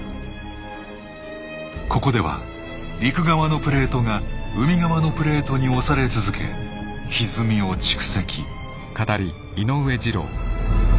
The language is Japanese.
ここでは陸側のプレートが海側のプレートに押され続けひずみを蓄積。